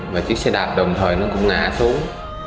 mà chiếc xe đạp đồng thời nó cũng ngã xuống